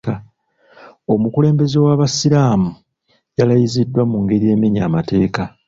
Omukulembeze w'abasiraamu yalayiziddwa mu ngeri emenya amateeka.